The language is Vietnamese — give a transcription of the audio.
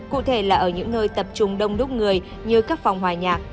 cụ thể là ở những nơi tập trung đông đúc người như các phòng hòa nhạc